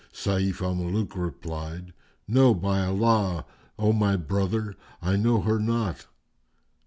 Sayf al Muluk replied, "No, by Allah, O my brother, I know her not!"